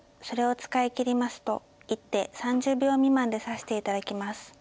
それを使い切りますと一手３０秒未満で指して頂きます。